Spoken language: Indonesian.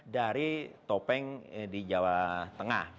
dari topeng di jawa tengah